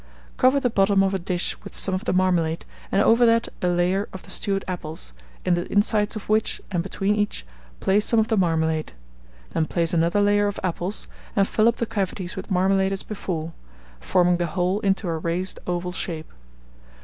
Cover the bottom of a dish with some of the marmalade, and over that a layer of the stewed apples, in the insides of which, and between each, place some of the marmalade; then place another layer of apples, and fill up the cavities with marmalade as before, forming the whole into a raised oval shape.